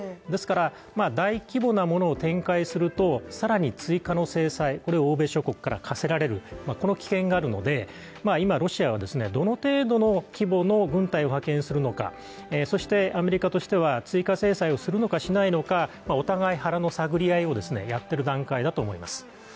ですから大規模なものを展開すると、更に追加の制裁、これを欧米諸国から科せられるこの危険があるので、今、ロシアはどの程度の規模の軍隊を派遣するのかそしてアメリカとしては、追加制裁をするのかしないのか、お互い、腹の探り合いをやっている段階だと思います。